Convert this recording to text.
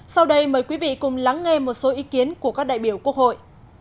sau đây mời quý vị cùng lắng nghe một số ý kiến của các đại biểu quốc hội